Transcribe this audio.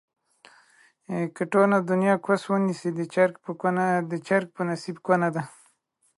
که ټوله دنياکوس ونسي ، د چرگ په نصيب کونه ده